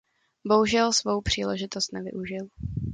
Bohužel svou příležitost nevyužil.